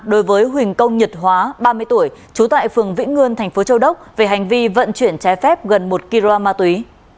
đối với huỳnh công nhật hóa ba mươi tuổi chú tại phường vĩnh nguồn tp châu đốc về hành vi vận chuyển trái phép gần một kg ma túy